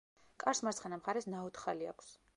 კარს მარცხენა მხარეს ნაოთხალი აქვს.